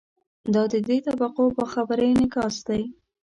دا د دې طبقو باخبرۍ انعکاس دی.